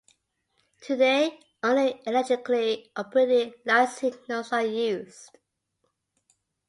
Today, only electrically operated light signals are used.